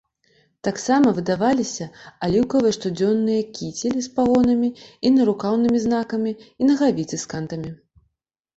Таксама выдаваліся аліўкавыя штодзённыя кіцель з пагонамі і нарукаўнымі знакамі і нагавіцы з кантамі.